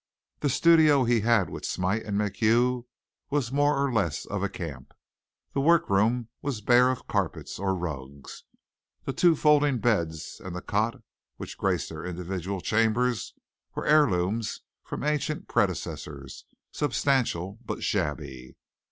The studio he had with Smite and MacHugh was more or less of a camp. The work room was bare of carpets or rugs. The two folding beds and the cot which graced their individual chambers were heirlooms from ancient predecessors substantial but shabby.